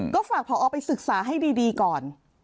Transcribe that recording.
ก็ฝากพอไปศึกษาให้ดีก่อน